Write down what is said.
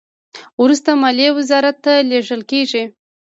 وروسته مالیې وزارت ته لیږل کیږي.